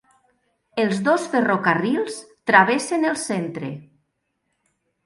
Els dos ferrocarrils travessen el centre.